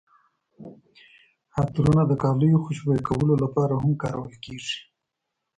عطرونه د کالیو خوشبویه کولو لپاره هم کارول کیږي.